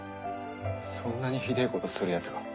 そんなにひでぇことするヤツが？